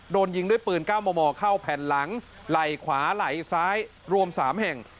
โดนยิงด้วยปืน๙มมเข้าแผ่นหลังไหล่ขวาไหล่ซ้ายรวม๓แห่ง